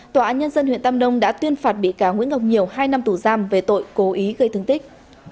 tòa án nhân dân huyện tam nông đã tuyên phạt bị cáo nguyễn ngọc nhiều hai năm tù giam về tội cố ý gây thương tích